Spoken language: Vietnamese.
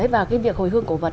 và cái việc hồi hương cổ vật